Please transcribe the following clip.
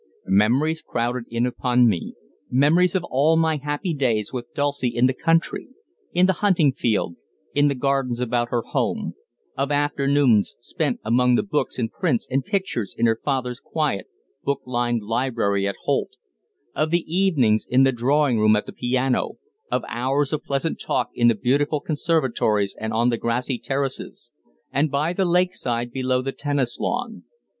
Memories crowded in upon me, memories of all my happy days with Dulcie in the country in the hunting field, in the gardens about her home, of afternoons spent among the books and prints and pictures in her father's quiet, book lined library at Holt, of the evenings in the drawing room at the piano, of hours of pleasant talk in the beautiful conservatories and on the grassy terraces, and by the lake side below the tennis lawn.